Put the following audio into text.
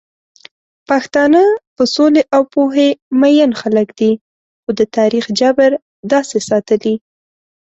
پښتانه په سولې او پوهې مئين خلک دي، خو د تاريخ جبر داسې ساتلي